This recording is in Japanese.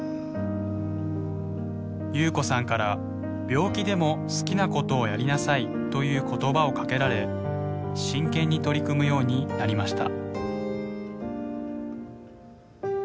夕子さんから「病気でも好きなことをやりなさい」という言葉をかけられ真剣に取り組むようになりました。